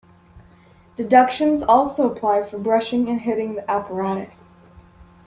Deductions also apply for brushing and hitting the apparatus.